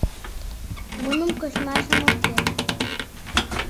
— Муным кочмашем уке...